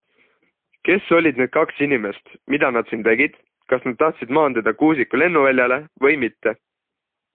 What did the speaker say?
Kes olid need kaks inimest, mida nad siin tegid, kas nad tahtsid maanduda Kuusiku lennuväljale või mitte.